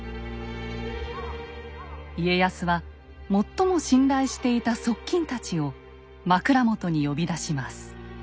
家康は最も信頼していた側近たちを枕元に呼び出します。